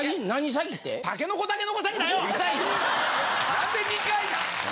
なんで２回なん？